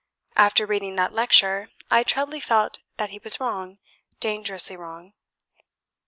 After reading that lecture, I trebly felt that he was wrong dangerously wrong.